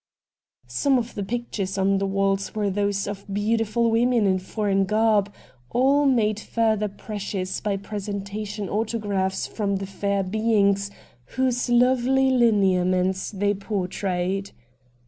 Some of the pictures on the walls were those of beautiful women in foreign garb — all made further precious by presentation auto graphs from the fair beings whose lovely lineaments they portrayed.